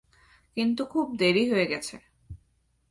কিন্তু খুব দেরি হয়ে গেছে।